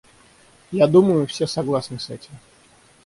Я думаю, все согласны с этим.